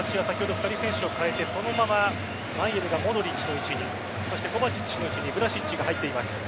２人、選手を代えてそのままマイェルがモドリッチの位置にコヴァチッチの位置にヴラシッチが入っています。